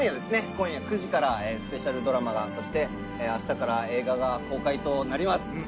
今夜９時からスペシャルドラマがそして明日から映画が公開となります